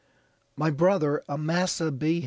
"My brother, Amasa B.